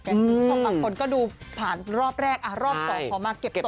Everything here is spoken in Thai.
ของบางคนก็ดูผ่านรอบแรกรอบต่อพอมาเก็บตก